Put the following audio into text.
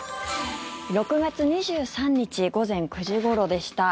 ６月２３日午前９時ごろでした。